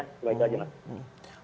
seperti itu saja mas